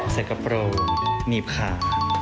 ใส่กระโปร่งหนีบขา